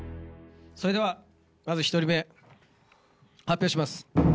それではまず１人目発表します。